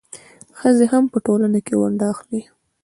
ښځې هم په ټولنه کې ونډه اخلي.